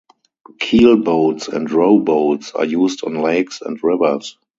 Keelboats and rowboats are used on lakes and rivers.